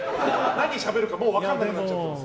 何しゃべるかもう分からなくなっちゃっています。